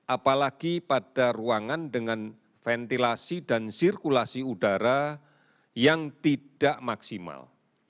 apalagi pada ruangan dengan ventilasi dan sirkulasi udara yang tidak maksimal